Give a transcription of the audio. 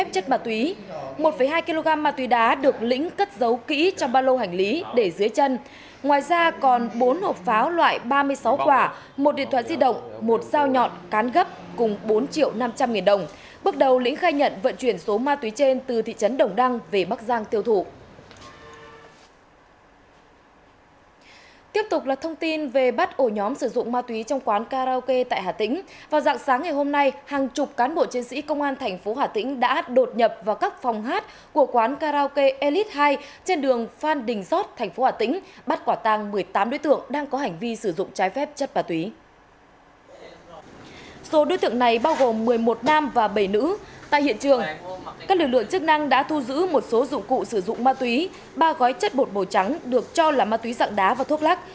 các lực lượng chức năng đã thu giữ một số dụng cụ sử dụng ma túy ba gói chất bột màu trắng được cho là ma túy dặn đá và thuốc lắc